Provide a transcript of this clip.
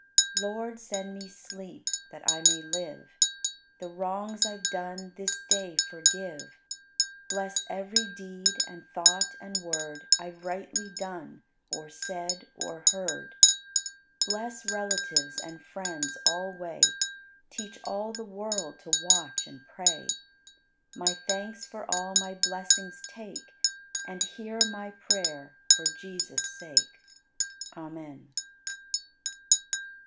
29. Lord, send me sleep that I may live; The wrongs I've done this day forgive. Bless every deed and thought and word I've rightly done, or said, or heard. Bless relatives and friends alway; Teach all the world to watch and pray. My thanks for all my blessings take And hear my prayer for Jesus' sake. Amen.